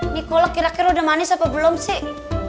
ini kola kira kira udah manis apa belum sih